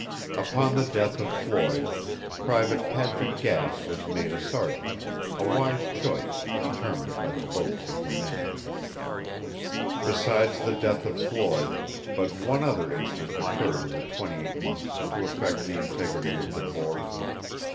Upon the death of Floyd, Private Patrick Gass was made a sergeant, a wise choice, determined by the votes of the men. Besides the death of Floyd, but one other incident occurred in the twenty eight months to affect the integrity of the corps.